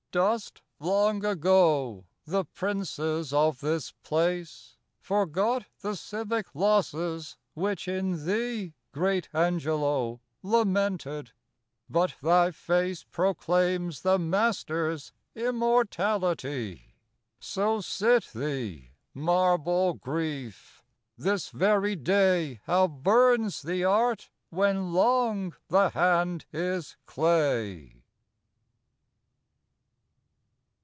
Dust, long ago, the princes of this place ; Forgot the civic losses which in thee Great Angelo lamented ; but thy face Proclaims the master's immortality! So sit thee, marble Grief ! this very day How burns the art when long the hand is clay